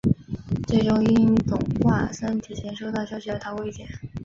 最终因董桂森提前收到消息而逃过一劫。